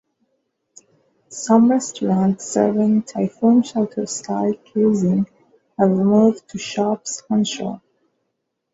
Some restaurants serving typhoon shelter-style cuisine have moved to shops onshore.